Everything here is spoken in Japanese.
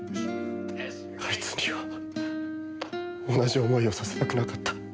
あいつには同じ思いをさせたくなかった。